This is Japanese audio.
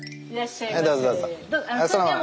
はいどうぞどうぞ。